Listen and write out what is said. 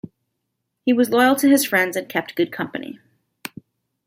He was loyal to his friends and kept good company.